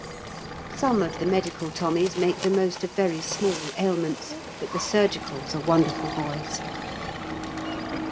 Some of the medical Tommies make the most of very small ailments, but the surgicals are wonderful boys.